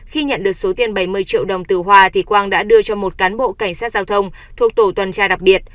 khi nhận được số tiền bảy mươi triệu đồng từ hoa thì quang đã đưa cho một cán bộ cảnh sát giao thông thuộc tổ tuần tra đặc biệt